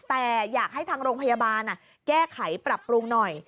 แต่อยากให้ทางโรงพยาบาลแก้ไขปรับปรุงหน่อย